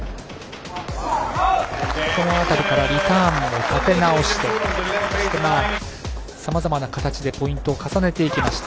この辺りからリターンも立て直してそして、さまざまな形でポイントを重ねていきました。